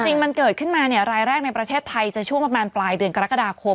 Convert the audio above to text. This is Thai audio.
จริงมันเกิดขึ้นมารายแรกในประเทศไทยจะช่วงประมาณปลายเดือนกรกฎาคม